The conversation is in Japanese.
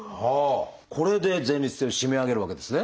これで前立腺を締め上げるわけですね。